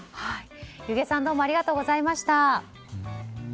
弓削さんどうもありがとうございました。